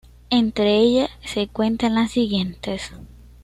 Entre ellas se cuentan las siguientes.